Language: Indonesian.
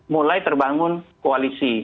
mulai terbangun koalisi